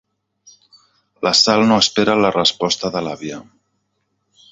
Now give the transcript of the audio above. La Sal no espera la resposta de l'àvia.